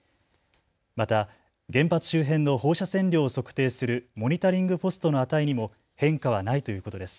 また原発周辺の放射線量を測定するモニタリングポストの値にも変化はないということです。